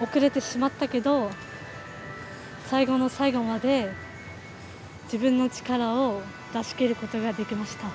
遅れてしまったけど最後の最後まで自分の力を出し切ることができました。